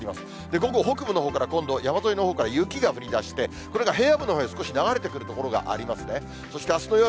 午後、北部のほうから今度、山沿いのほうから雪が降りだして、これが平野部のほうへ少し流れてくる所がありますね、そして、あすの夜。